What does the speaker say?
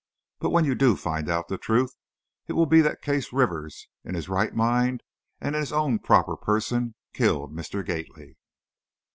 But when you do find out the truth, it will be that Case Rivers in his right mind and in his own proper person killed Mr. Gately."